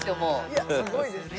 いやすごいですね。